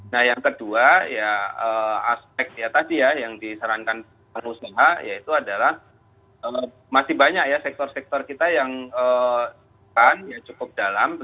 nah yang kedua ya aspek ya tadi ya yang disarankan pengusaha yaitu adalah masih banyak ya sektor sektor kita yang cukup dalam